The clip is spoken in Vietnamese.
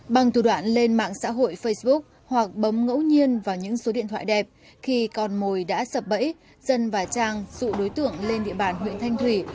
bằng thủ đoạn lên mạng xã hội facebook hoặc bấm ngẫu nhiên vào những số điện thoại đẹp khi con mồi đã sập bẫy dân và trang dụ đối tượng lên địa bàn huyện thanh thủy